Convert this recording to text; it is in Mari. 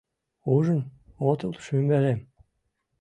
Ужын отыл шӱмбелем?